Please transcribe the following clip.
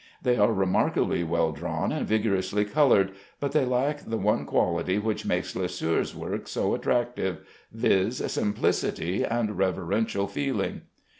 They are remarkably well drawn and vigorously colored, but they lack the one quality which makes Lesueur's work so attractive, viz., simplicity and reverential feeling.